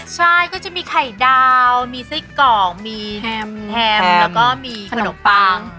ใช่ก็จะมีไข่ดาวมีไส้กรอกมีแฮมแฮมแล้วก็มีขนมปัง